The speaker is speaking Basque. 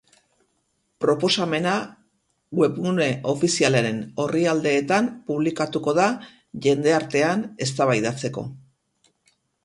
Proposamena webgune ofizialaren orrialdeetan publikatuko da jendeartean eztabaidatzeko.